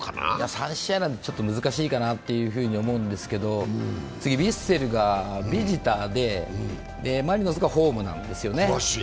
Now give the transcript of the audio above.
３試合なんでちょっと難しいかなっていうふうに思うんですけど次、ヴィッセルがビジターでマリノスがホームなんですよね。